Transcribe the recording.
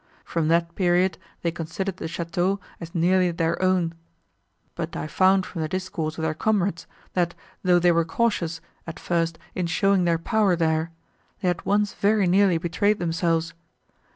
From that period they considered the château as nearly their own; but I found from the discourse of their comrades, that, though they were cautious, at first, in showing their power there, they had once very nearly betrayed themselves.